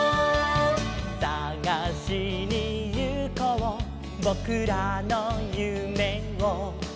「さがしにゆこうぼくらのゆめを」